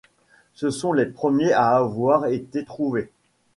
Ce sont les premiers à avoir été trouvés.